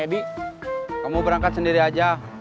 bang edi kamu berangkat sendiri aja